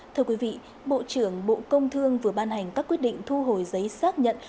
thưa quý vị bộ trưởng bộ công thương vừa ban hành các quyết định thu hồi giấy xác nhận